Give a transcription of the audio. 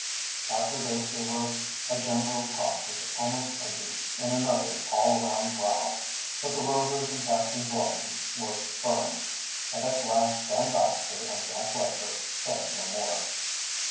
After this there was a general talk which almost ended in another all around row. But the Rovers and Captain Blossom were firm, and at last Dan Baxter and Jack Lesher said no more.